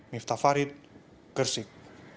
miftah farid gersik